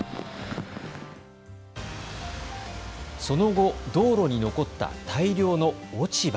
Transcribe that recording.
その後、道路に残った大量の落ち葉。